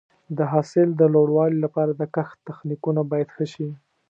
د حاصل د لوړوالي لپاره د کښت تخنیکونه باید ښه شي.